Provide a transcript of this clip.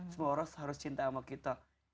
semua orang harus cinta sama kita